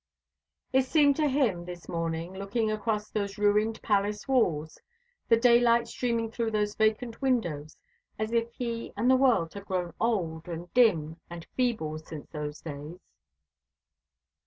It seemed to him this morning, looking across those ruined palace walls, the daylight streaming through those vacant windows, as if he and the world had grown old and dim and feeble since those days.